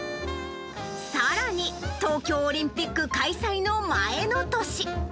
さらに、東京オリンピック開催の前の年。